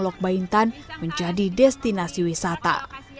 lok bain tan menjadi destinasi wisata